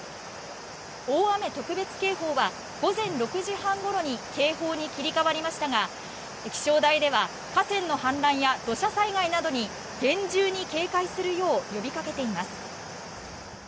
大雨特別警報は午前６時半ごろに警報に切り替わりましたが気象台では河川の氾濫や土砂災害などに厳重に警戒するよう呼びかけています。